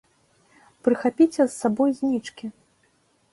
Прыхапіце з сабой знічкі!